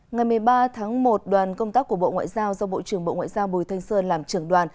ngày một mươi ba tháng một đoàn công tác của bộ ngoại giao do bộ trưởng bộ ngoại giao bùi thanh sơn làm trưởng đoàn